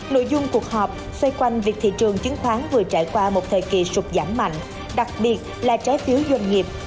nội dung cuộc họp xoay quanh việc thị trường chứng khoán vừa trải qua một thời kỳ sụp giảm mạnh đặc biệt là trái phiếu doanh nghiệp